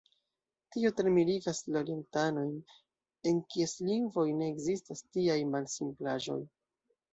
Tio tre mirigas la orientanojn, en kies lingvoj ne ekzistas tiaj malsimplaĵoj.